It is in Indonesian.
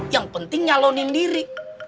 yang penting nyalonin diri